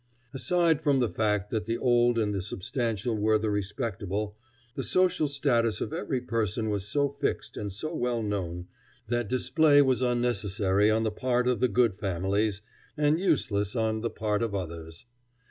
Aside from the fact that the old and the substantial were the respectable, the social status of every person was so fixed and so well known that display was unnecessary on the part of the good families, and useless on the part of others.